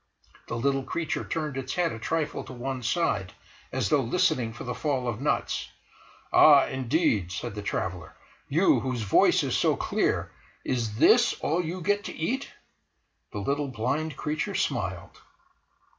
The little creature turned its head a trifle to one side as though listening for the fall of nuts. "Ah, indeed!" said the traveller: "You, whose voice is so clear, is this all you get to eat?" The little blind creature smiled